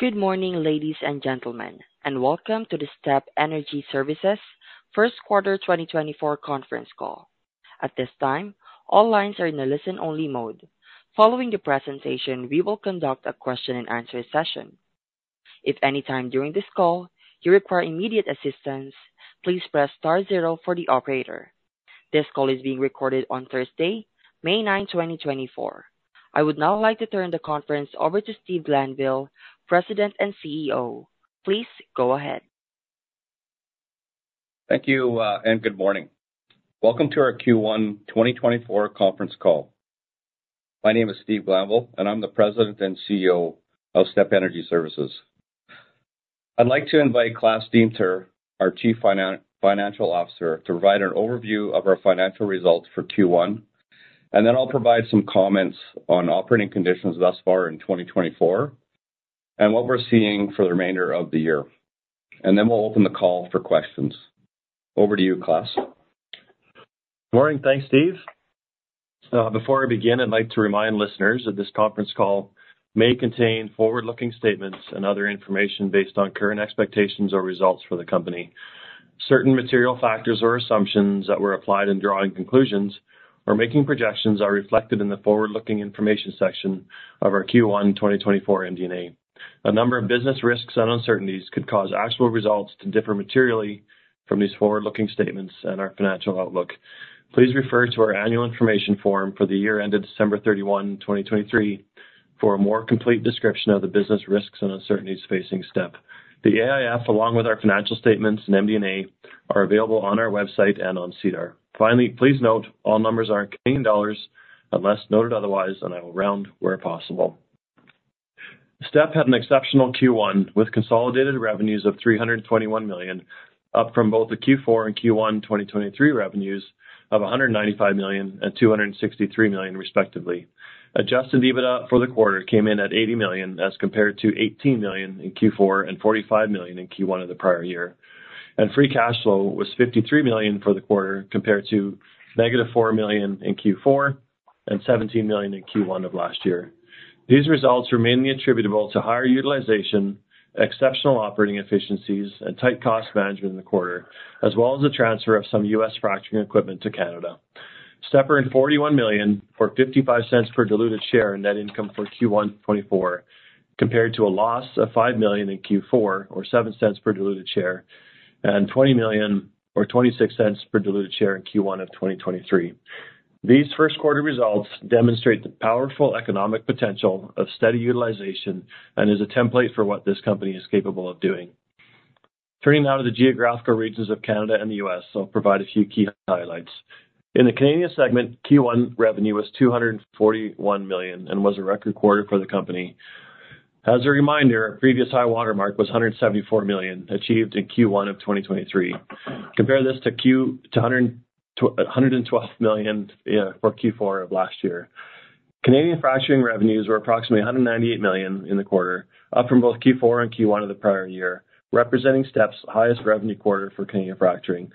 Good morning, ladies and gentlemen, and welcome to the STEP Energy Services first quarter 2024 conference call. At this time, all lines are in a listen-only mode. Following the presentation, we will conduct a question-and-answer session. If at any time during this call you require immediate assistance, please press star zero for the operator. This call is being recorded on Thursday, May 9, 2024. I would now like to turn the conference over to Steve Glanville, President and CEO. Please go ahead. Thank you, and good morning. Welcome to our Q1 2024 conference call. My name is Steve Glanville, and I'm the President and CEO of STEP Energy Services. I'd like to invite Klaas Deemter, our Chief Financial Officer, to provide an overview of our financial results for Q1, and then I'll provide some comments on operating conditions thus far in 2024 and what we're seeing for the remainder of the year. And then we'll open the call for questions. Over to you, Klaas. Good morning. Thanks, Steve. Before I begin, I'd like to remind listeners that this conference call may contain forward-looking statements and other information based on current expectations or results for the company. Certain material factors or assumptions that were applied in drawing conclusions or making projections are reflected in the forward-looking information section of our Q1 2024 MD&A. A number of business risks and uncertainties could cause actual results to differ materially from these forward-looking statements and our financial outlook. Please refer to our Annual Information Form for the year ended December 31, 2023, for a more complete description of the business risks and uncertainties facing STEP. The AIF, along with our financial statements and MD&A, are available on our website and on SEDAR. Finally, please note all numbers are in Canadian dollars unless noted otherwise, and I will round where possible. STEP had an exceptional Q1 with consolidated revenues of 321 million, up from both the Q4 and Q1 2023 revenues of 195 million and 263 million, respectively. Adjusted EBITDA for the quarter came in at 80 million as compared to 18 million in Q4 and 45 million in Q1 of the prior year. Free cash flow was 53 million for the quarter compared to -4 million in Q4 and 17 million in Q1 of last year. These results are attributable to higher utilization, exceptional operating efficiencies, and tight cost management in the quarter, as well as the transfer of some U.S. fracturing equipment to Canada. STEP earned 41 million or 0.55 per diluted share in net income for Q1 2024, compared to a loss of 5 million in Q4 or 0.07 per diluted share and 20 million or 0.26 per diluted share in Q1 of 2023. These first-quarter results demonstrate the powerful economic potential of steady utilization and is a template for what this company is capable of doing. Turning now to the geographical regions of Canada and the U.S., I'll provide a few key highlights. In the Canadian segment, Q1 revenue was 241 million and was a record quarter for the company. As a reminder, a previous high watermark was 174 million achieved in Q1 of 2023. Compare this to 112 million for Q4 of last year. Canadian fracturing revenues were approximately 198 million in the quarter, up from both Q4 and Q1 of the prior year, representing STEP's highest revenue quarter for Canadian fracturing.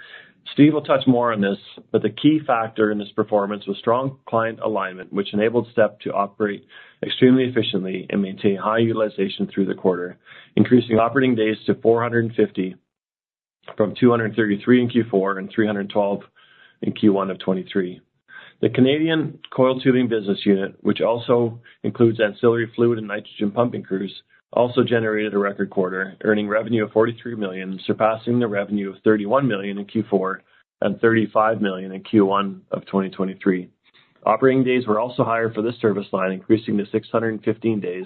Steve will touch more on this, but the key factor in this performance was strong client alignment, which enabled STEP to operate extremely efficiently and maintain high utilization through the quarter, increasing operating days to 450 from 233 in Q4 and 312 in Q1 of 2023. The Canadian coiled tubing business unit, which also includes ancillary fluid and nitrogen pumping crews, also generated a record quarter, earning revenue of 43 million, surpassing the revenue of 31 million in Q4 and 35 million in Q1 of 2023. Operating days were also higher for this service line, increasing to 615 days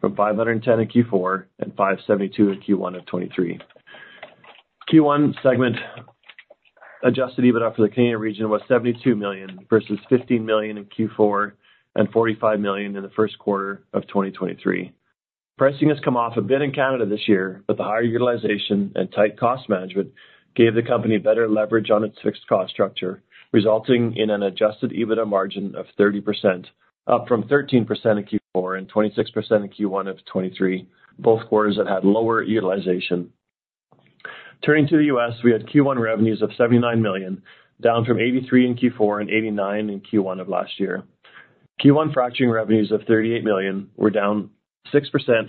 from 510 in Q4 and 572 in Q1 of 2023. Q1 segment adjusted EBITDA for the Canadian region was 72 million versus 15 million in Q4 and 45 million in the first quarter of 2023. Pricing has come off a bit in Canada this year, but the higher utilization and tight cost management gave the company better leverage on its fixed cost structure, resulting in an adjusted EBITDA margin of 30%, up from 13% in Q4 and 26% in Q1 of 2023, both quarters that had lower utilization. Turning to the U.S., we had Q1 revenues of 79 million, down from 83 million in Q4 and 89 million in Q1 of last year. Q1 fracturing revenues of 38 million were down 6%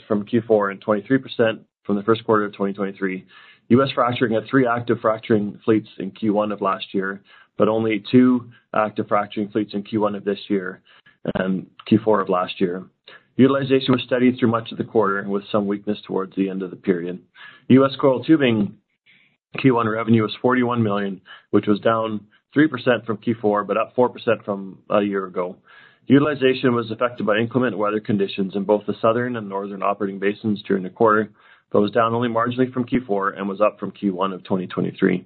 from Q4 and 23% from the first quarter of 2023. U.S. fracturing had three active fracturing fleets in Q1 of last year, but only two active fracturing fleets in Q1 of this year and Q4 of last year. Utilization was steady through much of the quarter, with some weakness towards the end of the period. U.S. Coiled tubing Q1 revenue was 41 million, which was down 3% from Q4 but up 4% from a year ago. Utilization was affected by inclement weather conditions in both the southern and northern operating basins during the quarter, but was down only marginally from Q4 and was up from Q1 of 2023.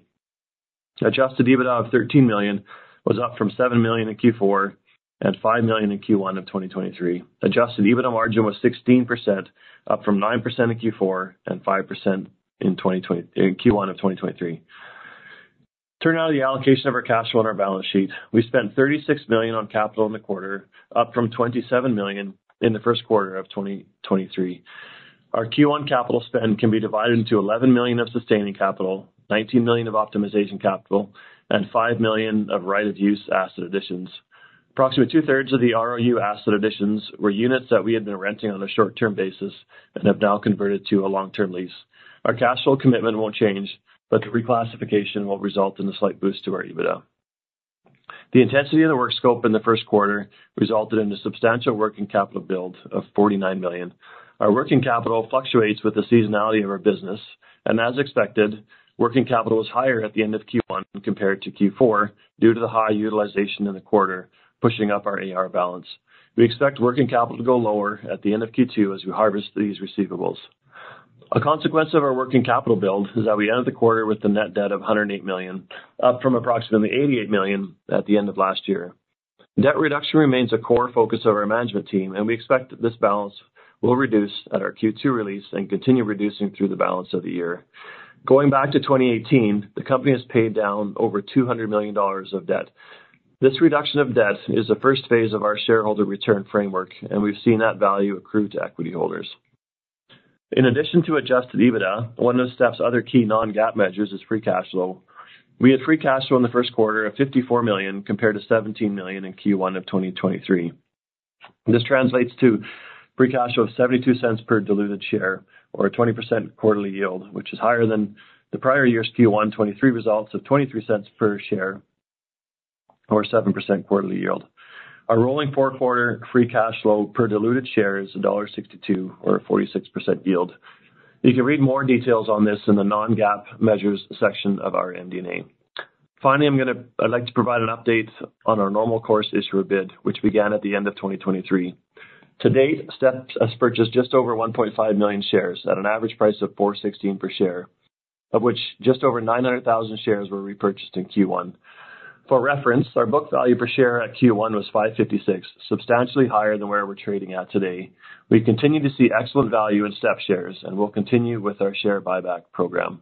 Adjusted EBITDA of 13 million was up from 7 million in Q4 and 5 million in Q1 of 2023. Adjusted EBITDA margin was 16%, up from 9% in Q4 and 5% in Q1 of 2023. Turning now to the allocation of our cash flow on our balance sheet, we spent 36 million on capital in the quarter, up from 27 million in the first quarter of 2023. Our Q1 capital spend can be divided into 11 million of sustaining capital, 19 million of optimization capital, and 5 million of right-of-use asset additions. Approximately two-thirds of the ROU asset additions were units that we had been renting on a short-term basis and have now converted to a long-term lease. Our cash flow commitment won't change, but the reclassification will result in a slight boost to our EBITDA. The intensity of the work scope in the first quarter resulted in a substantial working capital build of 49 million. Our working capital fluctuates with the seasonality of our business, and as expected, working capital was higher at the end of Q1 compared to Q4 due to the high utilization in the quarter, pushing up our AR balance. We expect working capital to go lower at the end of Q2 as we harvest these receivables. A consequence of our working capital build is that we ended the quarter with a net debt of 108 million, up from approximately 88 million at the end of last year. Debt reduction remains a core focus of our management team, and we expect that this balance will reduce at our Q2 release and continue reducing through the balance of the year. Going back to 2018, the company has paid down over 200 million dollars of debt. This reduction of debt is the first phase of our shareholder return framework, and we've seen that value accrue to equity holders. In addition to Adjusted EBITDA, one of STEP's other key non-GAAP measures is Free Cash Flow. We had Free Cash Flow in the first quarter of 54 million compared to 17 million in Q1 of 2023. This translates to Free Cash Flow of 0.72 per diluted share or a 20% quarterly yield, which is higher than the prior year's Q1 2023 results of 0.23 per share or a 7% quarterly yield. Our rolling four-quarter free cash flow per diluted share is dollar 1.62 or a 46% yield. You can read more details on this in the non-GAAP measures section of our MD&A. Finally, I'd like to provide an update on our Normal Course Issuer Bid, which began at the end of 2023. To date, STEP has purchased just over 1.5 million shares at an average price of 4.16 per share, of which just over 900,000 shares were repurchased in Q1. For reference, our book value per share at Q1 was 5.56, substantially higher than where we're trading at today. We continue to see excellent value in STEP shares, and we'll continue with our share buyback program.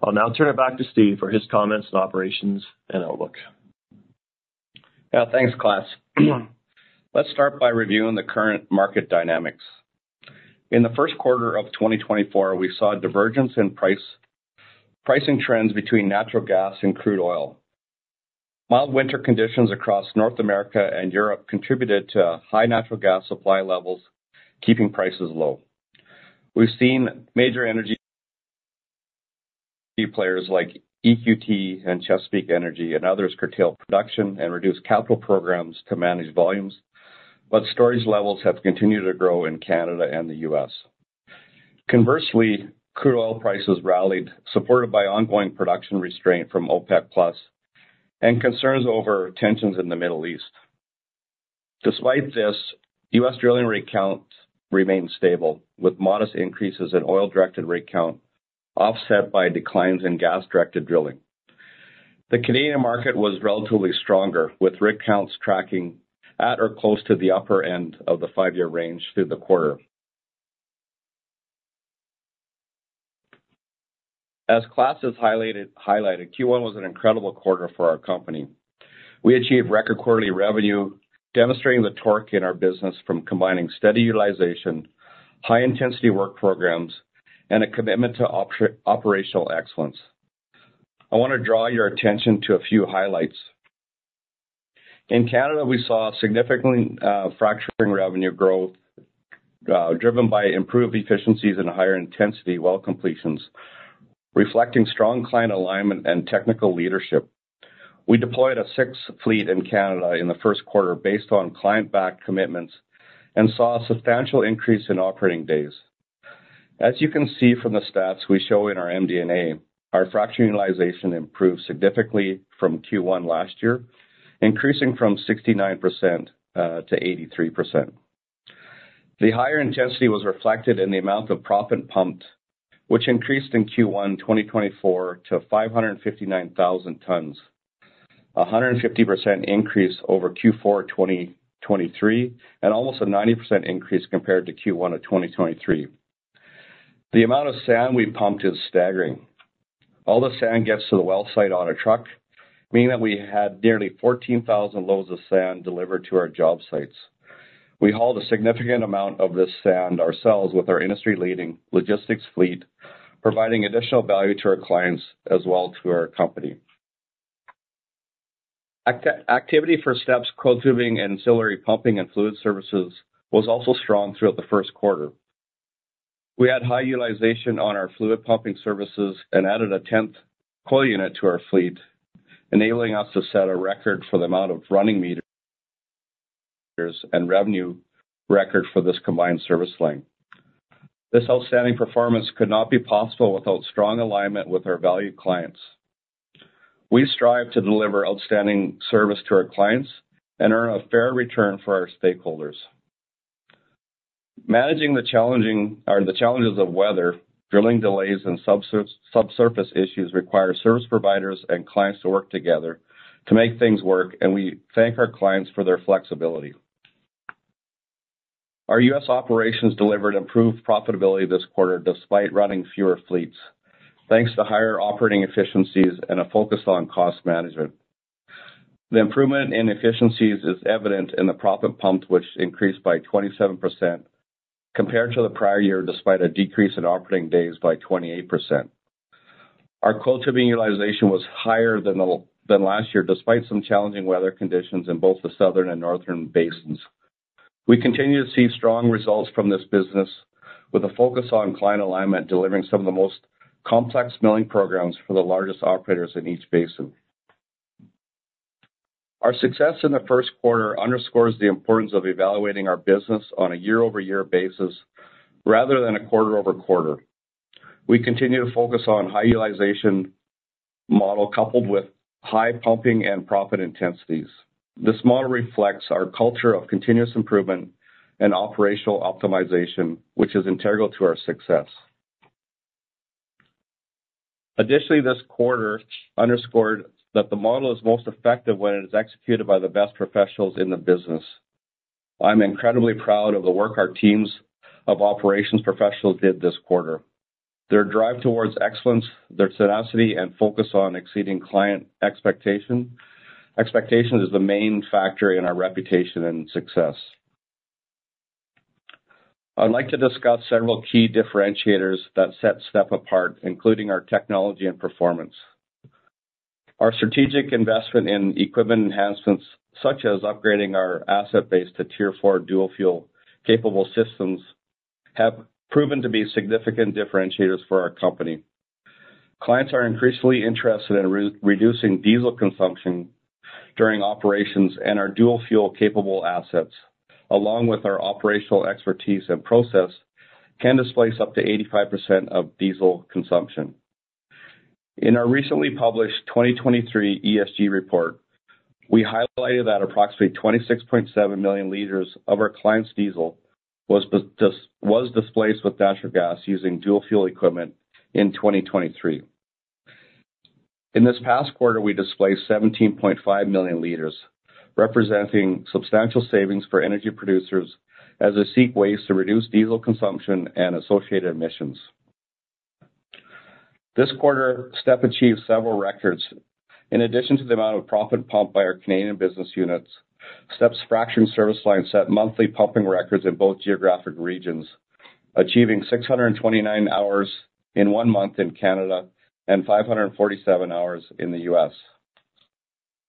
I'll now turn it back to Steve for his comments on operations and outlook. Yeah. Thanks, Klaas. Let's start by reviewing the current market dynamics. In the first quarter of 2024, we saw divergence in pricing trends between natural gas and crude oil. Mild winter conditions across North America and Europe contributed to high natural gas supply levels, keeping prices low. We've seen major energy players like EQT and Chesapeake Energy and others curtail production and reduce capital programs to manage volumes, but storage levels have continued to grow in Canada and the U.S. Conversely, crude oil prices rallied, supported by ongoing production restraint from OPEC+ and concerns over tensions in the Middle East. Despite this, U.S. drilling rig counts remained stable, with modest increases in oil-directed rig count offset by declines in gas-directed drilling. The Canadian market was relatively stronger, with rig counts tracking at or close to the upper end of the five-year range through the quarter. As Klaas has highlighted, Q1 was an incredible quarter for our company. We achieved record quarterly revenue, demonstrating the torque in our business from combining steady utilization, high-intensity work programs, and a commitment to operational excellence. I want to draw your attention to a few highlights. In Canada, we saw significant fracturing revenue growth driven by improved efficiencies and higher intensity well completions, reflecting strong client alignment and technical leadership. We deployed a sixth fleet in Canada in the first quarter based on client-backed commitments and saw a substantial increase in operating days. As you can see from the stats we show in our MD&A, our fracturing utilization improved significantly from Q1 last year, increasing from 69% to 83%. The higher intensity was reflected in the amount of proppant pumped, which increased in Q1 2024 to 559,000 tons, a 150% increase over Q4 2023 and almost a 90% increase compared to Q1 of 2023. The amount of sand we pumped is staggering. All the sand gets to the well site on a truck, meaning that we had nearly 14,000 loads of sand delivered to our job sites. We hauled a significant amount of this sand ourselves with our industry-leading logistics fleet, providing additional value to our clients as well to our company. Activity for STEP's coiled tubing and ancillary pumping and fluid services was also strong throughout the first quarter. We had high utilization on our fluid pumping services and added a 10th coil unit to our fleet, enabling us to set a record for the amount of running meters and revenue record for this combined service line. This outstanding performance could not be possible without strong alignment with our valued clients. We strive to deliver outstanding service to our clients and earn a fair return for our stakeholders. Managing the challenges of weather, drilling delays, and subsurface issues requires service providers and clients to work together to make things work, and we thank our clients for their flexibility. Our U.S. operations delivered improved profitability this quarter despite running fewer fleets, thanks to higher operating efficiencies and a focus on cost management. The improvement in efficiencies is evident in the proppant pumped, which increased by 27% compared to the prior year despite a decrease in operating days by 28%. Our coiled tubing utilization was higher than last year despite some challenging weather conditions in both the southern and northern basins. We continue to see strong results from this business, with a focus on client alignment delivering some of the most complex milling programs for the largest operators in each basin. Our success in the first quarter underscores the importance of evaluating our business on a year-over-year basis rather than a quarter-over-quarter. We continue to focus on a high utilization model coupled with high pumping and proppant intensities. This model reflects our culture of continuous improvement and operational optimization, which is integral to our success. Additionally, this quarter underscored that the model is most effective when it is executed by the best professionals in the business. I'm incredibly proud of the work our teams of operations professionals did this quarter. Their drive towards excellence, their tenacity, and focus on exceeding client expectations is the main factor in our reputation and success. I'd like to discuss several key differentiators that set STEP apart, including our technology and performance. Our strategic investment in equipment enhancements, such as upgrading our asset base to Tier 4 dual-fuel capable systems, have proven to be significant differentiators for our company. Clients are increasingly interested in reducing diesel consumption during operations, and our dual-fuel capable assets, along with our operational expertise and process, can displace up to 85% of diesel consumption. In our recently published 2023 ESG report, we highlighted that approximately 26.7 million liters of our clients' diesel was displaced with natural gas using dual-fuel equipment in 2023. In this past quarter, we displaced 17.5 million liters, representing substantial savings for energy producers as they seek ways to reduce diesel consumption and associated emissions. This quarter, STEP achieved several records. In addition to the amount of proppant pumped by our Canadian business units, STEP's fracturing service line set monthly pumping records in both geographic regions, achieving 629 hours in one month in Canada and 547 hours in the U.S.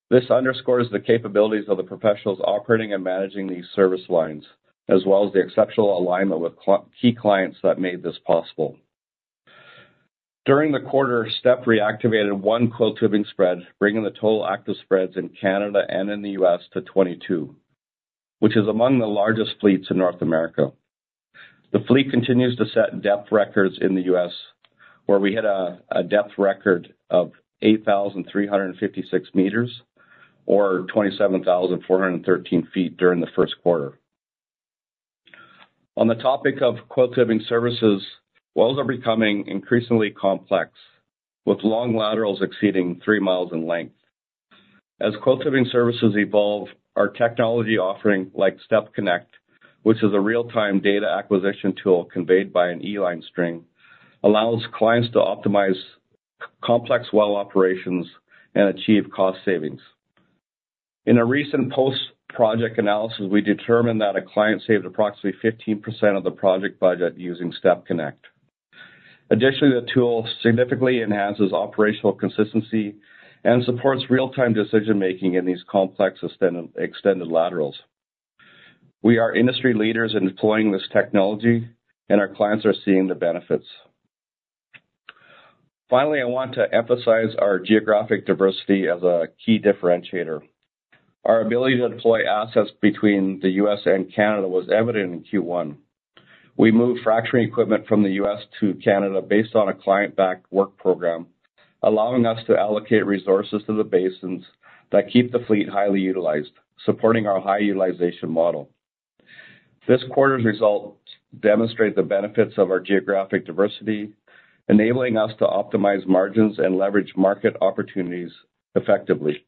This underscores the capabilities of the professionals operating and managing these service lines, as well as the exceptional alignment with key clients that made this possible. During the quarter, STEP reactivated one coiled tubing spread, bringing the total active spreads in Canada and in the U.S. to 22, which is among the largest fleets in North America. The fleet continues to set depth records in the U.S., where we hit a depth record of 8,356 meters or 27,413 feet during the first quarter. On the topic of coiled tubing services, wells are becoming increasingly complex, with long laterals exceeding three miles in length. As coiled tubing services evolve, our technology offering, like STEP-conneCT, which is a real-time data acquisition tool conveyed by an E-line string, allows clients to optimize complex well operations and achieve cost savings. In a recent post-project analysis, we determined that a client saved approximately 15% of the project budget using STEP-conneCT. Additionally, the tool significantly enhances operational consistency and supports real-time decision-making in these complex extended laterals. We are industry leaders in deploying this technology, and our clients are seeing the benefits. Finally, I want to emphasize our geographic diversity as a key differentiator. Our ability to deploy assets between the U.S. and Canada was evident in Q1. We moved fracturing equipment from the U.S. to Canada based on a client-backed work program, allowing us to allocate resources to the basins that keep the fleet highly utilized, supporting our high utilization model. This quarter's results demonstrate the benefits of our geographic diversity, enabling us to optimize margins and leverage market opportunities effectively.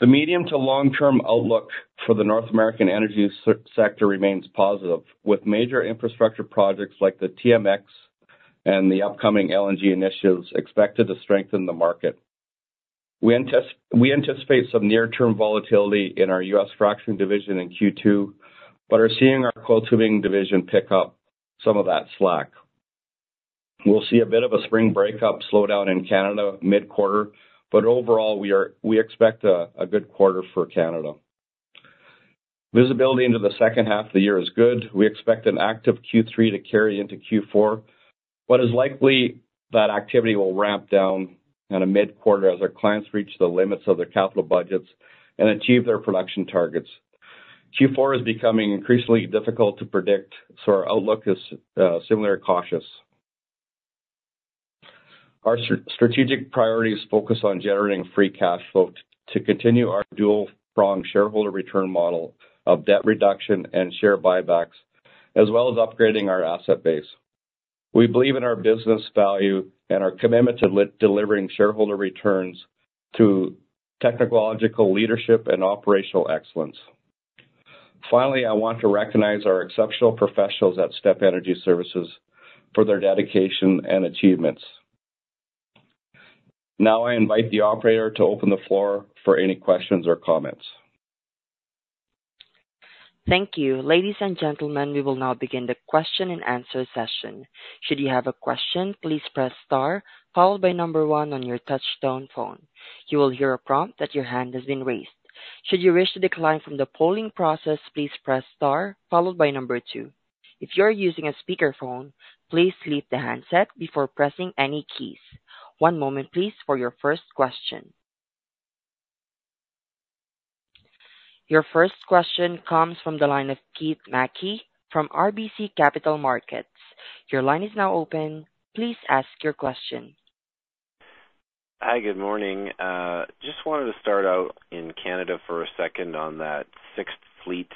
The medium to long-term outlook for the North American energy sector remains positive, with major infrastructure projects like the TMX and the upcoming LNG initiatives expected to strengthen the market. We anticipate some near-term volatility in our U.S. fracturing division in Q2 but are seeing our coiled tubing division pick up some of that slack. We'll see a bit of a spring breakup slowdown in Canada mid-quarter, but overall, we expect a good quarter for Canada. Visibility into the second half of the year is good. We expect an active Q3 to carry into Q4, but it's likely that activity will ramp down in a mid-quarter as our clients reach the limits of their capital budgets and achieve their production targets. Q4 is becoming increasingly difficult to predict, so our outlook is similar to cautious. Our strategic priorities focus on generating free cash flow to continue our dual-pronged shareholder return model of debt reduction and share buybacks, as well as upgrading our asset base. We believe in our business value and our commitment to delivering shareholder returns through technological leadership and operational excellence. Finally, I want to recognize our exceptional professionals at STEP Energy Services for their dedication and achievements. Now I invite the operator to open the floor for any questions or comments. Thank you. Ladies and gentlemen, we will now begin the question-and-answer session. Should you have a question, please press star followed by number one on your touch-tone phone. You will hear a prompt that your hand has been raised. Should you wish to decline from the polling process, please press star followed by number two. If you are using a speakerphone, please lift the handset before pressing any keys. One moment, please, for your first question. Your first question comes from the line of Keith Mackey from RBC Capital Markets. Your line is now open. Please ask your question. Hi. Good morning. Just wanted to start out in Canada for a second on that 6th fleet.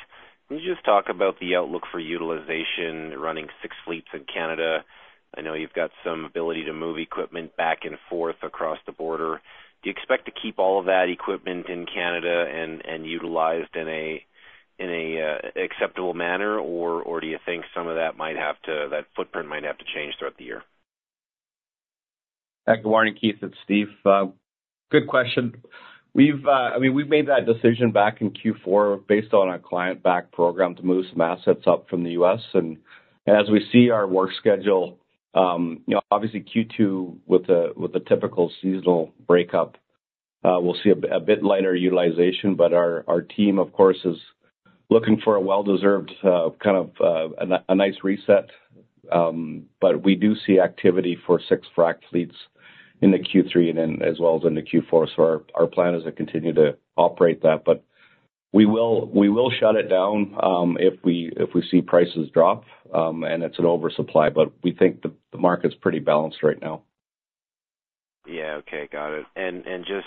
Can you just talk about the outlook for utilization running six fleets in Canada? I know you've got some ability to move equipment back and forth across the border. Do you expect to keep all of that equipment in Canada and utilized in an acceptable manner, or do you think some of that footprint might have to change throughout the year? Good morning, Keith. It's Steve. Good question. I mean, we've made that decision back in Q4 based on our client-backed program to move some assets up from the U.S. And as we see our work schedule, obviously, Q2, with a typical seasonal breakup, we'll see a bit lighter utilization. But our team, of course, is looking for a well-deserved kind of a nice reset. But we do see activity for six fract fleets in the Q3 as well as in the Q4. So our plan is to continue to operate that. But we will shut it down if we see prices drop, and it's an oversupply. But we think the market's pretty balanced right now. Yeah. Okay. Got it. And just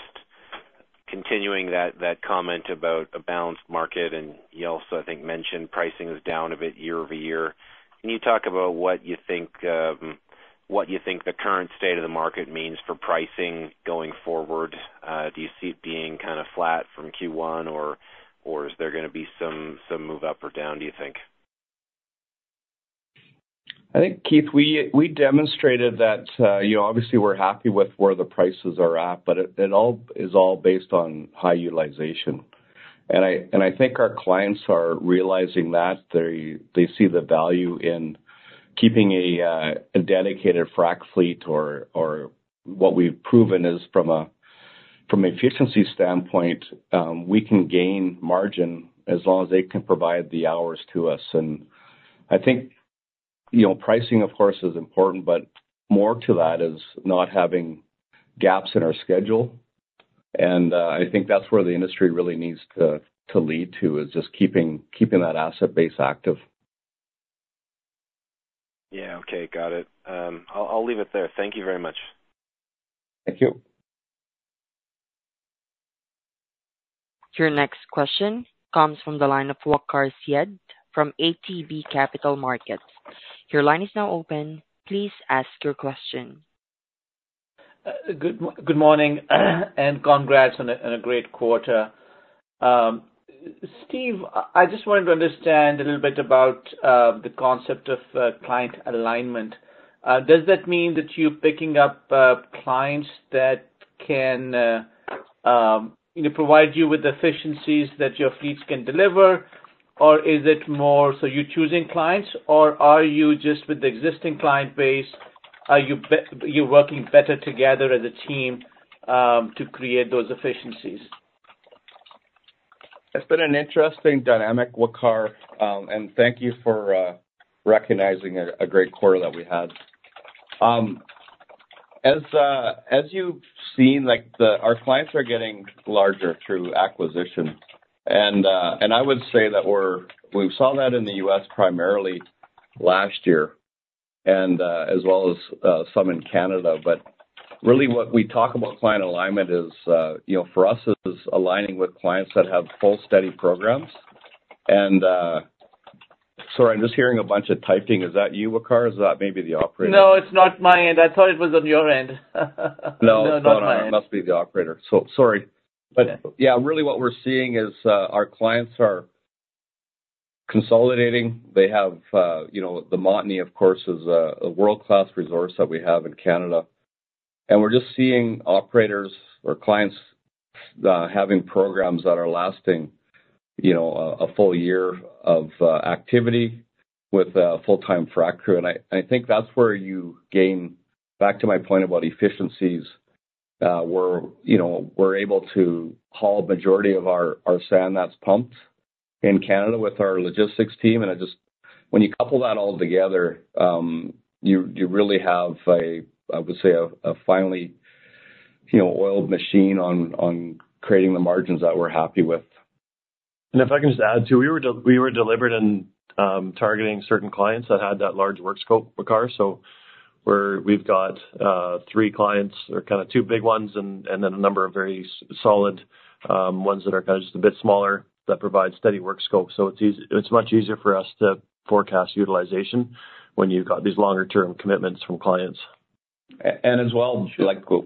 continuing that comment about a balanced market, and you also, I think, mentioned pricing is down a bit year-over-year. Can you talk about what you think the current state of the market means for pricing going forward? Do you see it being kind of flat from Q1, or is there going to be some move up or down, do you think? I think, Keith, we demonstrated that, obviously, we're happy with where the prices are at, but it is all based on high utilization. And I think our clients are realizing that. They see the value in keeping a dedicated fract fleet, or what we've proven is, from an efficiency standpoint, we can gain margin as long as they can provide the hours to us. And I think pricing, of course, is important, but more to that is not having gaps in our schedule. And I think that's where the industry really needs to lead to, is just keeping that asset base active. Yeah. Okay. Got it. I'll leave it there. Thank you very much. Thank you. Your next question comes from the line of Waqar Syed from ATB Capital Markets. Your line is now open. Please ask your question. Good morning and congrats on a great quarter. Steve, I just wanted to understand a little bit about the concept of client alignment. Does that mean that you're picking up clients that can provide you with efficiencies that your fleets can deliver, or is it more so you're choosing clients, or are you just with the existing client base? Are you working better together as a team to create those efficiencies? It's been an interesting dynamic, Waqar. Thank you for recognizing a great quarter that we had. As you've seen, our clients are getting larger through acquisition. I would say that we saw that in the U.S. primarily last year, as well as some in Canada. Really, what we talk about client alignment for us is aligning with clients that have full, steady programs. Sorry, I'm just hearing a bunch of typing. Is that you, Waqar? Is that maybe the operator? No, it's not my end. I thought it was on your end. No, not my end. No, no, no. It must be the operator. So sorry. But yeah, really, what we're seeing is our clients are consolidating. The Montney, of course, is a world-class resource that we have in Canada. And we're just seeing operators or clients having programs that are lasting a full year of activity with a full-time fract crew. And I think that's where you gain back to my point about efficiencies. We're able to haul a majority of our sand that's pumped in Canada with our logistics team. And when you couple that all together, you really have, I would say, a finely oiled machine on creating the margins that we're happy with. If I can just add, too, we were deliberate in targeting certain clients that had that large work scope, Waqar. So we've got three clients or kind of two big ones and then a number of very solid ones that are kind of just a bit smaller that provide steady work scope. So it's much easier for us to forecast utilization when you've got these longer-term commitments from clients. As well,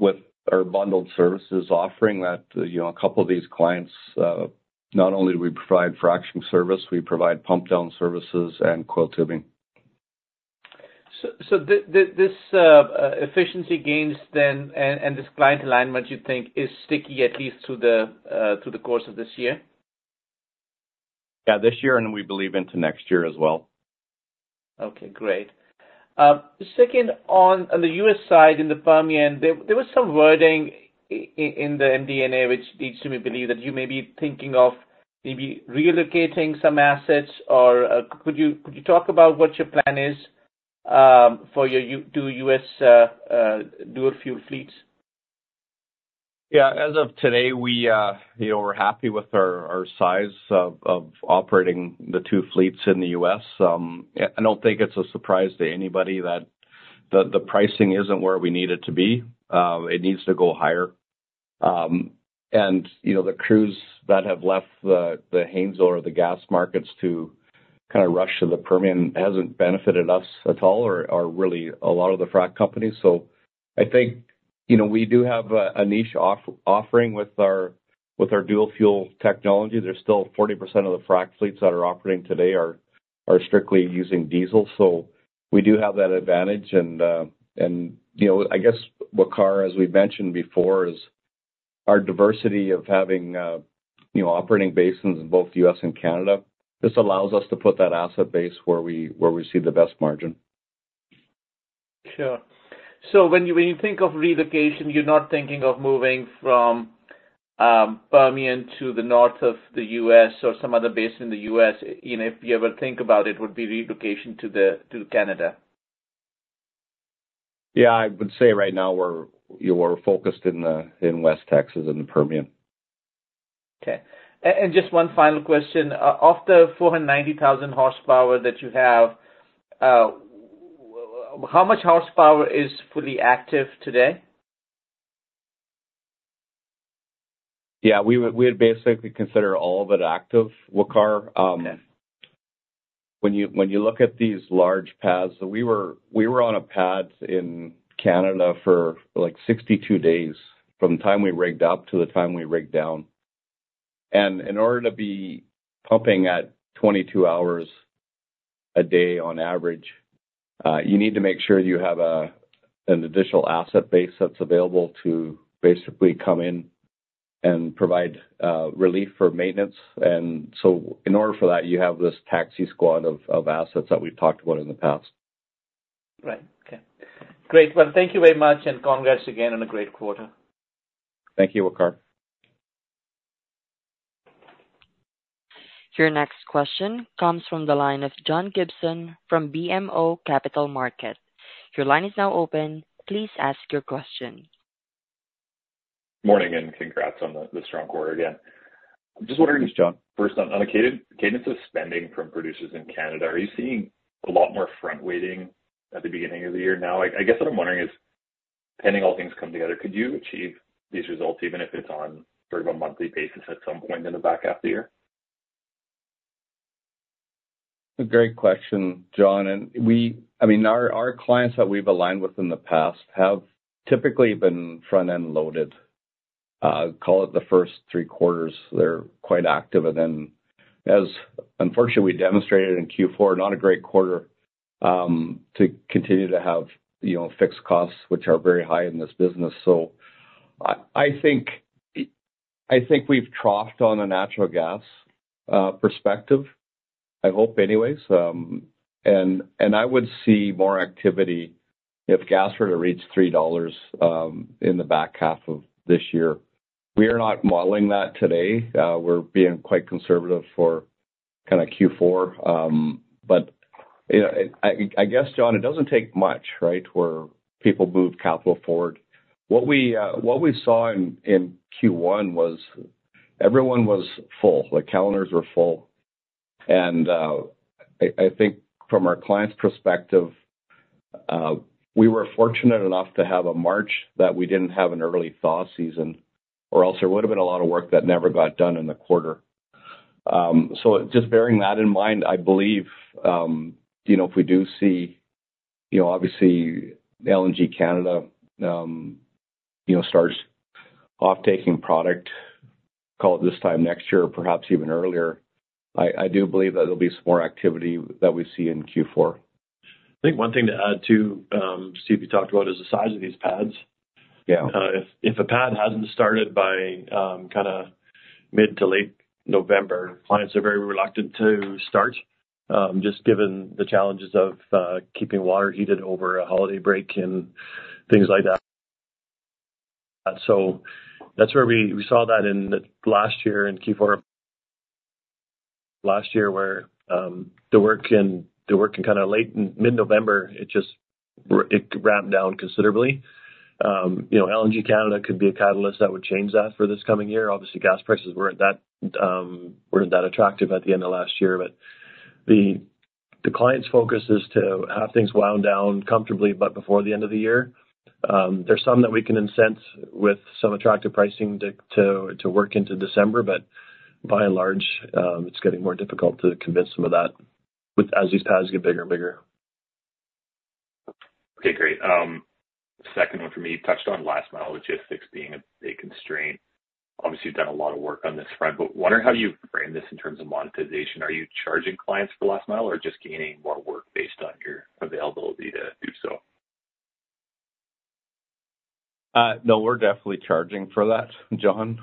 with our bundled services offering, a couple of these clients, not only do we provide fracturing service, we provide pump-down services and coiled tubing. This efficiency gains then and this client alignment, you think, is sticky at least through the course of this year? Yeah, this year and we believe into next year as well. Okay. Great. Second, on the U.S. side, in the Permian, there was some wording in the MD&A which leads to me believe that you may be thinking of maybe relocating some assets. Could you talk about what your plan is for your two U.S. dual-fuel fleets? Yeah. As of today, we're happy with our size of operating the two fleets in the U.S. I don't think it's a surprise to anybody that the pricing isn't where we need it to be. It needs to go higher. And the crews that have left the Haynesville or the gas markets to kind of rush to the Permian hasn't benefited us at all or really a lot of the fract companies. So I think we do have a niche offering with our dual-fuel technology. There's still 40% of the fract fleets that are operating today are strictly using diesel. So we do have that advantage. And I guess, Waqar, as we've mentioned before, is our diversity of having operating basins in both the U.S. and Canada. This allows us to put that asset base where we see the best margin. Sure. When you think of relocation, you're not thinking of moving from Permian to the north of the U.S. or some other base in the U.S. If you ever think about it, would be relocation to Canada? Yeah. I would say right now, we're focused in West Texas and the Permian. Okay. Just one final question. Of the 490,000 horsepower that you have, how much horsepower is fully active today? Yeah. We would basically consider all of it active, Waqar. When you look at these large pads, we were on a pad in Canada for like 62 days from the time we rigged up to the time we rigged down. And in order to be pumping at 22 hours a day on average, you need to make sure you have an additional asset base that's available to basically come in and provide relief for maintenance. And so in order for that, you have this taxi squad of assets that we've talked about in the past. Right. Okay. Great. Well, thank you very much, and congrats again on a great quarter. Thank you, Waqar. Your next question comes from the line of John Gibson from BMO Capital Markets. Your line is now open. Please ask your question. Good morning and congrats on the strong quarter again. I'm just wondering. Hey, John. First, on the cadence of spending from producers in Canada, are you seeing a lot more front-waiting at the beginning of the year now? I guess what I'm wondering is, pending all things come together, could you achieve these results even if it's on sort of a monthly basis at some point in the back half of the year? A great question, John. And I mean, our clients that we've aligned with in the past have typically been front-end loaded. Call it the first three quarters. They're quite active. And then, unfortunately, we demonstrated in Q4 not a great quarter to continue to have fixed costs, which are very high in this business. So I think we've troughed on a natural gas perspective, I hope anyways. And I would see more activity if gas were to reach $3 in the back half of this year. We are not modeling that today. We're being quite conservative for kind of Q4. But I guess, John, it doesn't take much, right, where people move capital forward. What we saw in Q1 was everyone was full. The calendars were full. I think from our client's perspective, we were fortunate enough to have a March that we didn't have an early thaw season, or else there would have been a lot of work that never got done in the quarter. So just bearing that in mind, I believe if we do see obviously, LNG Canada starts offtaking product, call it this time next year or perhaps even earlier, I do believe that there'll be some more activity that we see in Q4. I think one thing to add to, Steve, you talked about is the size of these pads. If a pad hasn't started by kind of mid to late November, clients are very reluctant to start just given the challenges of keeping water heated over a holiday break and things like that. So that's where we saw that last year in Q4 last year where the work in kind of mid-November, it just ramped down considerably. LNG Canada could be a catalyst that would change that for this coming year. Obviously, gas prices weren't that attractive at the end of last year. But the client's focus is to have things wound down comfortably, but before the end of the year. There's some that we can incent with some attractive pricing to work into December. By and large, it's getting more difficult to convince them of that as these pads get bigger and bigger. Okay. Great. Second one for me, you touched on last-mile logistics being a big constraint. Obviously, you've done a lot of work on this front. But wondering how you frame this in terms of monetization. Are you charging clients for last-mile or just gaining more work based on your availability to do so? No, we're definitely charging for that, John.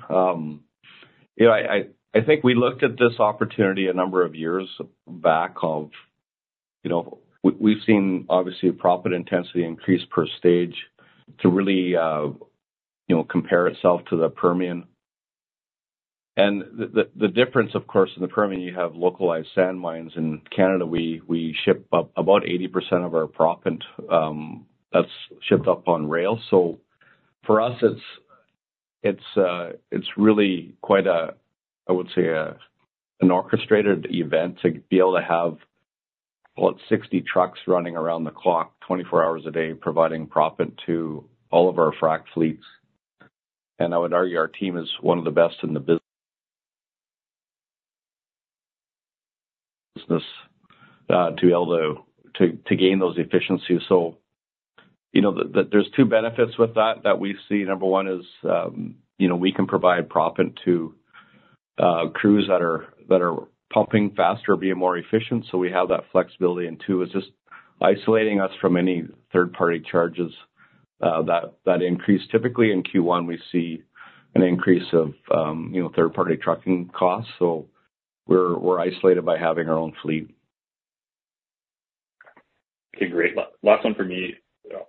I think we looked at this opportunity a number of years back of we've seen, obviously, a proppant intensity increase per stage to really compare itself to the Permian. And the difference, of course, in the Permian, you have localized sand mines. In Canada, we ship about 80% of our proppant that's shipped up on rail. So for us, it's really quite a, I would say, an orchestrated event to be able to have, what, 60 trucks running around the clock 24 hours a day providing proppant to all of our fract fleets. And I would argue our team is one of the best in the business to be able to gain those efficiencies. So there's two benefits with that that we see. Number one is we can provide proppant to crews that are pumping faster, being more efficient. We have that flexibility. Two, it's just isolating us from any third-party charges that increase. Typically, in Q1, we see an increase of third-party trucking costs. We're isolated by having our own fleet. Okay. Great. Last one for me.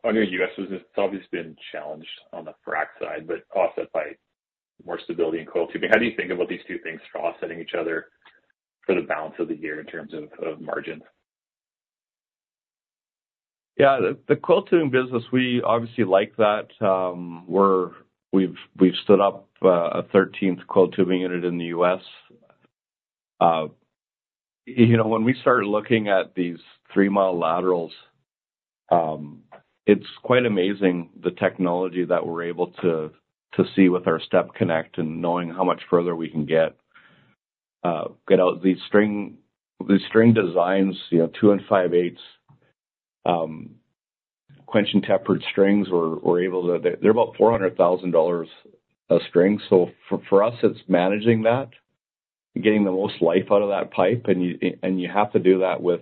On your U.S. business, it's obviously been challenged on the fract side, but offset by more stability in coiled tubing. How do you think about these two things for offsetting each other for the balance of the year in terms of margins? Yeah. The coiled tubing business, we obviously like that. We've stood up a 13th coiled tubing unit in the U.S. When we started looking at these 3-mile laterals, it's quite amazing, the technology that we're able to see with our STEP-conneCT and knowing how much further we can get out. These string designs, 2 5/8 quench-and-tempered strings, we're able to they're about $400,000 a string. So for us, it's managing that, getting the most life out of that pipe. And you have to do that with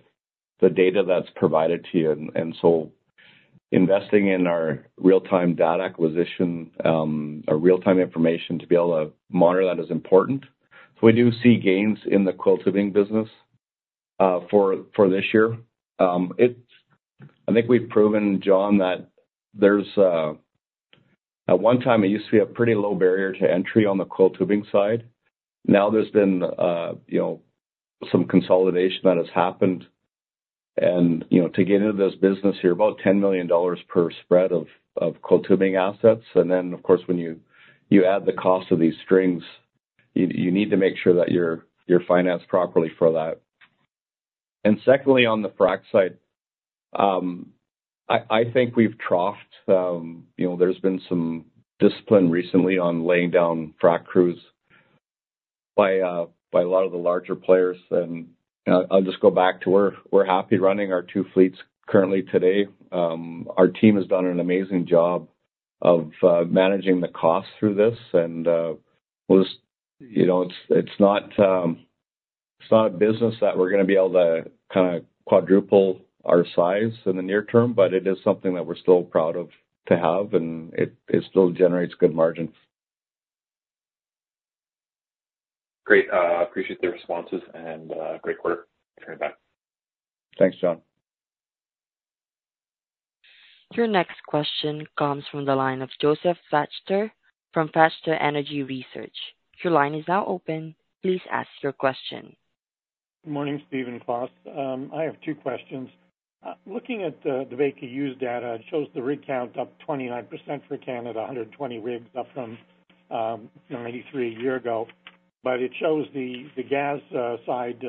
the data that's provided to you. And so investing in our real-time data acquisition, our real-time information to be able to monitor that is important. So we do see gains in the coiled tubing business for this year. I think we've proven, John, that there's at one time, it used to be a pretty low barrier to entry on the coil tubing side. Now, there's been some consolidation that has happened. And to get into this business, you're about $10 million per spread of coil tubing assets. And then, of course, when you add the cost of these strings, you need to make sure that you're financed properly for that. And secondly, on the fract side, I think we've troughed. There's been some discipline recently on laying down fract crews by a lot of the larger players. And I'll just go back to, we're happy running our two fleets currently today. Our team has done an amazing job of managing the costs through this. It's not a business that we're going to be able to kind of quadruple our size in the near term, but it is something that we're still proud of to have. It still generates good margins. Great. I appreciate the responses and great quarter. Turn it back. Thanks, John. Your next question comes from the line of Josef Schachter from Schachter Energy Research. Your line is now open. Please ask your question. Good morning, Steve and Klaas. I have two questions. Looking at the Baker Hughes data, it shows the rig count up 29% for Canada, 120 rigs up from 93 a year ago. But it shows the gas side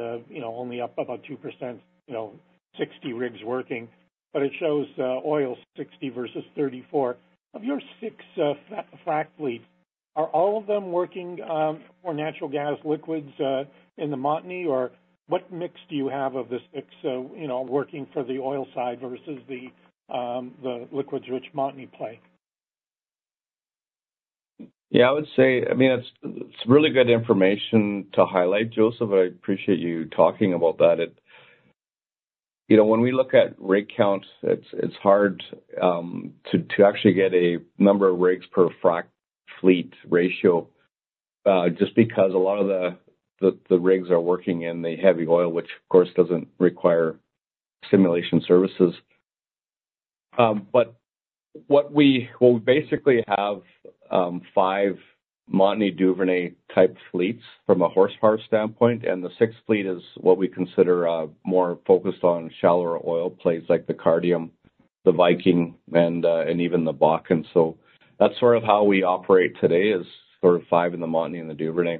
only up about 2%, 60 rigs working. But it shows oil 60 versus 34. Of your six fract fleets, are all of them working for natural gas liquids in the Montney, or what mix do you have of the six working for the oil side versus the liquids-rich Montney play? Yeah. I mean, it's really good information to highlight, Josef, and I appreciate you talking about that. When we look at rig count, it's hard to actually get a number of rigs per fract fleet ratio just because a lot of the rigs are working in the heavy oil, which, of course, doesn't require stimulation services. But what we basically have five Montney-Duvernay type fleets from a horsepower standpoint. And the sixth fleet is what we consider more focused on shallower oil plays like the Cardium, the Viking, and even the Bakken. So that's sort of how we operate today is sort of five in the Montney and the Duvernay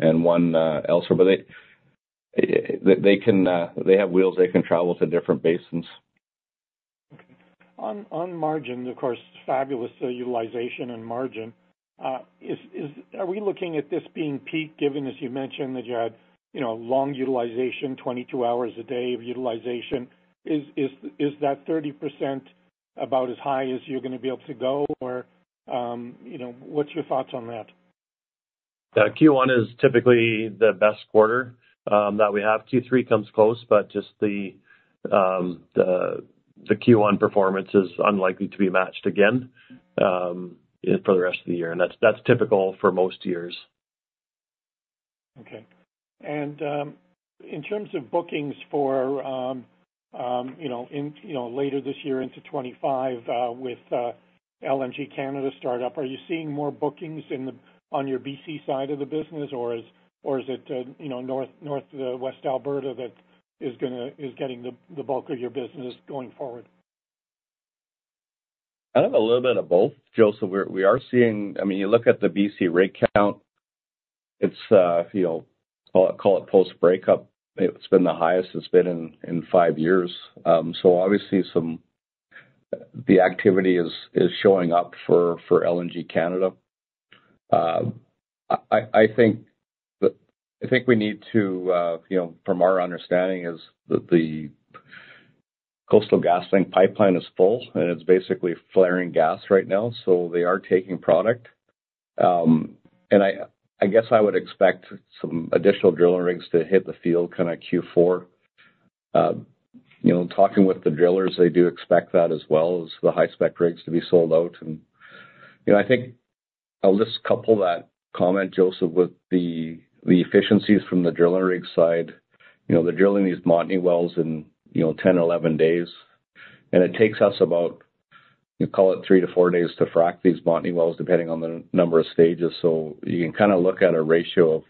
and one elsewhere. But they have wheels. They can travel to different basins. Okay. On margins, of course, fabulous utilization and margin. Are we looking at this being peaked given, as you mentioned, that you had long utilization, 22 hours a day of utilization? Is that 30% about as high as you're going to be able to go, or what's your thoughts on that? Q1 is typically the best quarter that we have. Q3 comes close, but just the Q1 performance is unlikely to be matched again for the rest of the year. That's typical for most years. Okay. In terms of bookings for later this year into 2025 with LNG Canada startup, are you seeing more bookings on your BC side of the business, or is it northwest Alberta that is getting the bulk of your business going forward? Kind of a little bit of both, Josef. I mean, you look at the BC rig count, call it post-breakup. It's been the highest it's been in 5 years. So obviously, the activity is showing up for LNG Canada. I think we need to from our understanding is the Coastal GasLink pipeline is full, and it's basically flaring gas right now. So they are taking product. And I guess I would expect some additional drilling rigs to hit the field kind of Q4. Talking with the drillers, they do expect that as well as the high-spec rigs to be sold out. And I think I'll just couple that comment, Josef, with the efficiencies from the drilling rig side. They're drilling these Montney wells in 10-11 days. And it takes us about, call it, 3-4 days to frack these Montney wells depending on the number of stages. You can kind of look at a ratio of,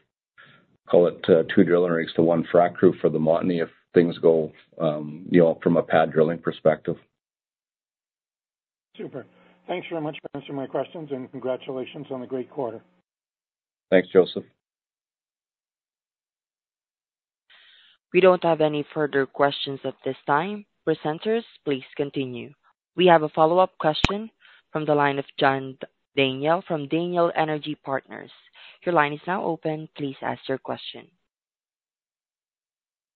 call it, two drilling rigs to one fract crew for the Montney if things go from a pad drilling perspective. Super. Thanks very much for answering my questions, and congratulations on the great quarter. Thanks, Josef. We don't have any further questions at this time. Presenters, please continue. We have a follow-up question from the line of John Daniel from Daniel Energy Partners. Your line is now open. Please ask your question.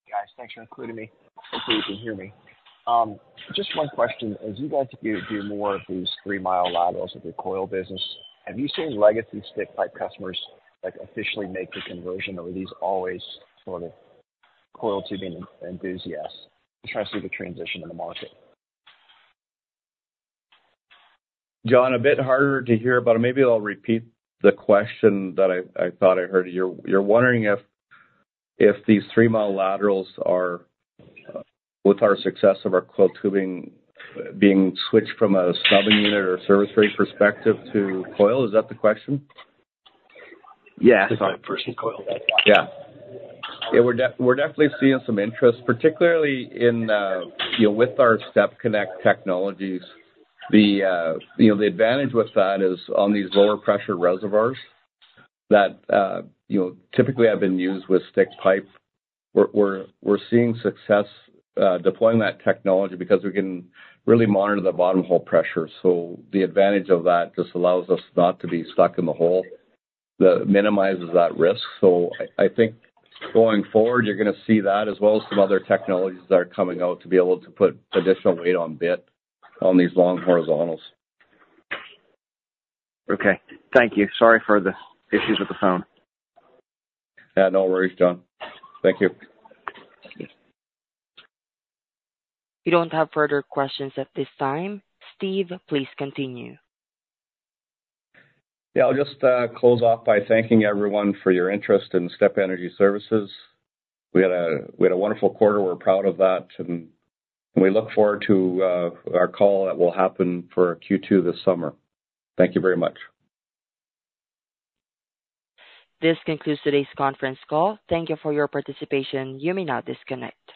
Guys, thanks for including me. Hopefully, you can hear me. Just one question. As you guys do more of these 3-mile laterals with your coil business, have you seen legacy stick pipe customers officially make the conversion, or are these always sort of coil tubing enthusiasts? I'm trying to see the transition in the market. John, a bit harder to hear about it. Maybe I'll repeat the question that I thought I heard. You're wondering if these 3-mile laterals are with our success of our coiled tubing being switched from a snubbing unit or service rate perspective to coil. Is that the question? Yes. Yeah. We're definitely seeing some interest, particularly with our STEP-conneCT technologies. The advantage with that is on these lower-pressure reservoirs that typically have been used with stick pipe. We're seeing success deploying that technology because we can really monitor the bottom hole pressure. So the advantage of that just allows us not to be stuck in the hole. That minimizes that risk. So I think going forward, you're going to see that as well as some other technologies that are coming out to be able to put additional weight on bit on these long horizontals. Okay. Thank you. Sorry for the issues with the phone. Yeah. No worries, John. Thank you. We don't have further questions at this time. Steve, please continue. Yeah. I'll just close off by thanking everyone for your interest in STEP Energy Services. We had a wonderful quarter. We're proud of that. And we look forward to our call that will happen for Q2 this summer. Thank you very much. This concludes today's conference call. Thank you for your participation. You may now disconnect.